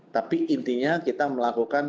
tapi intinya kita melakukan